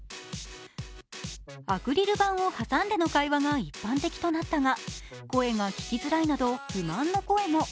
アクリル板を挟んでの会話が一般的となったが声が聞きづらいなど、不満の声も。